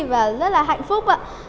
và rất là hạnh phúc